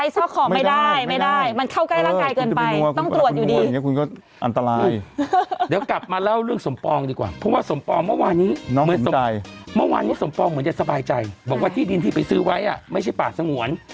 ต้องตรวจอยู่ดีเดี๋ยวกลับมาเล่าเรื่องสมปองดีกว่าเพราะว่าสมปองเมื่อวานนี้เหมือนสมปองเหมือนจะสบายใจบอกว่าที่ดินที่ไปซื้อไว้ไม่ใช่ป่าสงวน